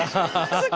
そっか。